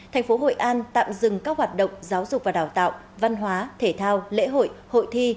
thành phố hội an tạm dừng các hoạt động giáo dục và đào tạo văn hóa thể thao lễ hội hội thi